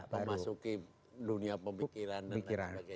memasuki dunia pemikiran dan lain sebagainya